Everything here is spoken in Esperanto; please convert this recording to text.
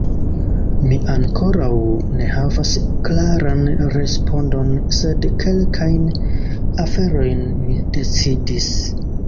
Mi ankoraŭ ne havas klaran respondon, sed kelkajn aferojn mi decidis.